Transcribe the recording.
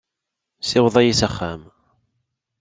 Ssiweḍ-iyi s axxam.